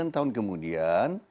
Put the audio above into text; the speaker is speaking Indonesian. sembilan tahun kemudian